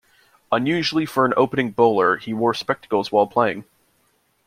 Unusually for an opening bowler, he wore spectacles while playing.